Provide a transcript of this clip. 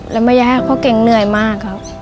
แล้วไม่อยากให้พ่อเก่งเหนื่อยมากครับ